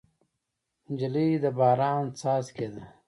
نجلۍ د باران څاڅکی ده.